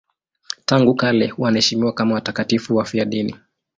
Tangu kale wanaheshimiwa kama watakatifu wafiadini.